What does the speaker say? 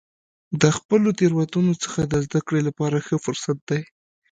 د خپلو تیروتنو څخه د زده کړې لپاره ښه فرصت دی.